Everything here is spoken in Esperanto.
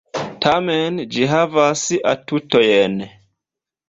Tamen ĝi havas atutojn...